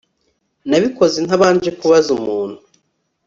nabikoze ntabanje kubaza umuntu